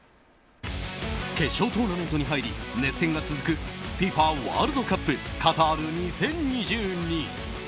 決勝トーナメントに入り熱戦が続くＦＩＦＡワールドカップカタール２０２２。